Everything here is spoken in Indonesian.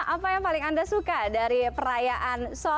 apa yang paling anda suka dari perayaan